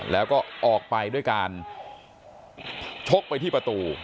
แล้วก็ออกไปด้วยการชกไปที่ประตู